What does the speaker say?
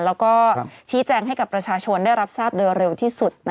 แล้วก็ชี้แจงให้กับประชาชนได้รับทราบโดยเร็วที่สุด